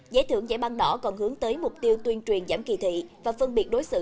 giải thưởng giải băng đỏ còn hướng tới mục tiêu tuyên truyền giảm kỳ thị và phân biệt đối xử